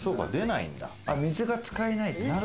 水が使えないと。